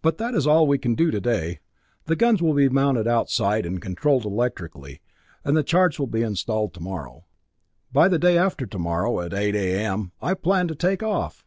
"But that is all we can do today. The guns will be mounted outside, and controlled electrically, and the charts will be installed tomorrow. By the day after tomorrow at eight A.M. I plan to take off!"